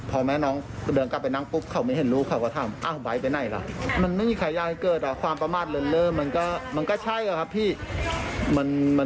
พอแม่น้องเดินกลับนั่งปุ๊บ